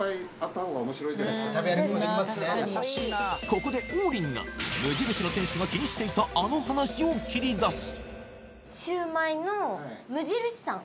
ここで王林が蒸印の店主が気にしていたあの話を切り出す！